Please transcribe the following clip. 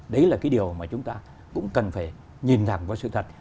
đấy là cái điều mà chúng ta cũng cần phải nhìn thẳng vào sự thật